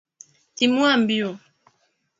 Timua mbio.